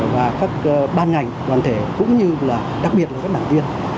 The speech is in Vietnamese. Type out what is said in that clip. và các ban ngành đoàn thể cũng như là đặc biệt là các đảng viên